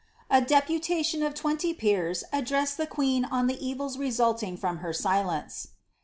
A deputation of twenty peers addressed the queen on the evils result ing from her silence.